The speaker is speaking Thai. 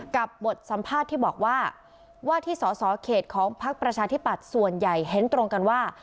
กับบทสัมภาษณ์ที่บอกว่าที่สสเขตของภักดิ์ประชาธิบัตรส่วนใหญ่เห็นตรงกันว่า